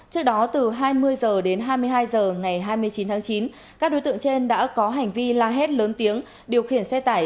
trước đó từ hai mươi h đến hai mươi hai h ngày hai mươi chín tháng chín các đối tượng trên đã có hành vi la hét lớn tiếng điều khiển xe tải